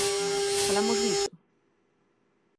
¿Falamos diso?